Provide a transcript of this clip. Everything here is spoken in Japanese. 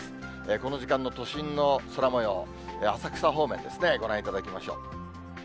この時間の都心の空もよう、浅草方面ですね、ご覧いただきましょう。